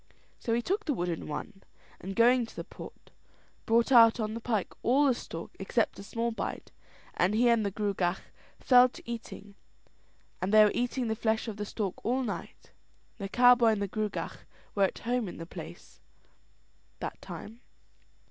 So he took the wooden one; and going to the pot, brought out on the pike all the stork except a small bite, and he and the Gruagach fell to eating, and they were eating the flesh of the stork all night. The cowboy and the Gruagach were at home in the place that time.